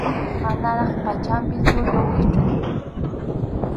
Manaraq pachanpi sullu wischʼuy.